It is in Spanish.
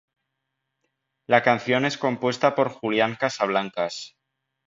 La canción es compuesta por Julian Casablancas.